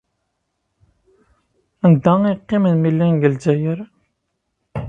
Anda ay qqimen mi llan deg Lezzayer?